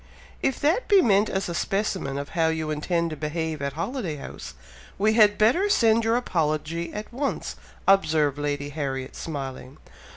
"If that be meant as a specimen of how you intend to behave at Holiday House, we had better send your apology at once," observed Lady Harriet, smiling.